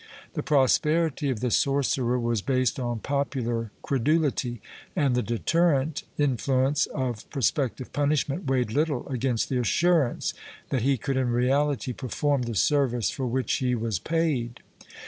The prosperity of the sorcerer was based on popular credulity, and the deterrent influence of pros pective punishment weighed little against the assurance that he could in reality perform the service for which he was paid.